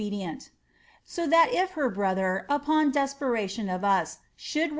d)cnL So tiiat if ber brother, upon desperation of us, should i.'